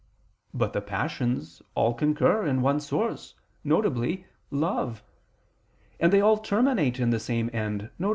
But the passions all concur in one source, viz. love; and they all terminate in the same end, viz.